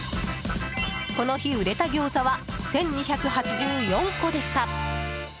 この日、売れたギョーザは１２８４個でした。